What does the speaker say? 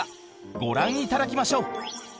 ご覧いただきましょう！